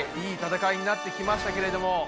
いい戦いになってきましたけれども。